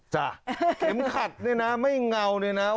จ้ะเผ็ดขัดด้วยนะไม่เงาด้วยนะ